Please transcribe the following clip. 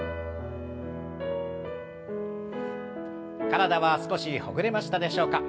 体は少しほぐれましたでしょうか？